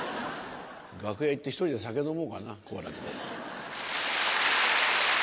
楽屋行って１人で酒飲もうかな好楽です。